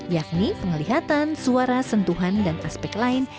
yakni penglihatan suara sentuhan dan aspek lain